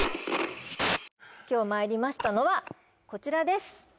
今日まいりましたのはこちらです